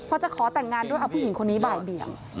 พอจะขอแต่งงานด้วยเอาผู้หญิงคนนี้บ่ายเบี่ยง